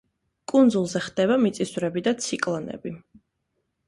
კუნძულზე ხდება მიწისძვრები და ციკლონები.